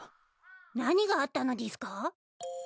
何があったのでぃすか？